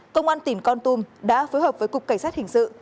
công an tỉnh con tum đã phối hợp với cục cảnh sát hình sự